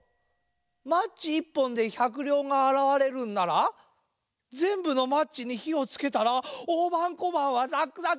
マッチ１ぽんで１００りょうがあらわれるんならぜんぶのマッチにひをつけたらおおばんこばんはザックザク。